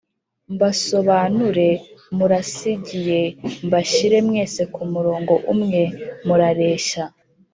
mbasobanure murasigiye: mbashyire mwese ku murongo umwe, murareshya